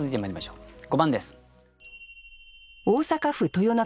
５番です。